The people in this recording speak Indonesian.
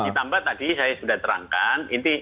ditambah tadi saya sudah terangkan